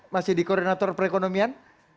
masih di koordinator perekonomian